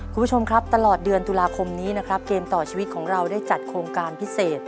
คุณผู้ชมครับตลอดเดือนตุลาคมนี้นะครับเกมต่อชีวิตของเราได้จัดโครงการพิเศษ